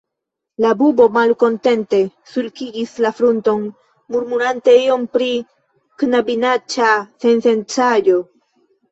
La bubo malkontente sulkigis la frunton, murmurante ion pri "knabinaĉa sensencaĵo".